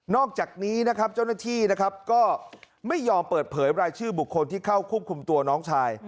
อกจากนี้นะครับเจ้าหน้าที่นะครับก็ไม่ยอมเปิดเผยรายชื่อบุคคลที่เข้าควบคุมตัวน้องชาย